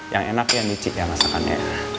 yang enak ya nici yang masakannya